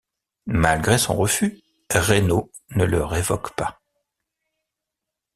Malgré son refus, Reynaud ne le révoque pas.